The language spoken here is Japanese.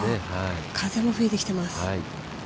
風も吹いてきています。